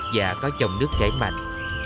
và có chồng nước chảy mạnh